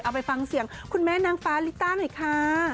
ไปฟังเสียงคุณแม่นางฟ้าลิต้าหน่อยค่ะ